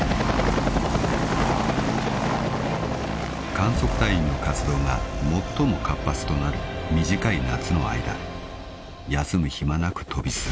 ［観測隊員の活動が最も活発となる短い夏の間休む暇なく飛び続け